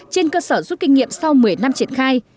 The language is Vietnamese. trên cơ sở rút kinh nghiệm sau một mươi năm triển khai